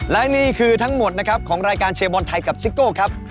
และนี่คือทั้งหมดนะครับของรายการเชียร์บอลไทยกับซิโก้ครับ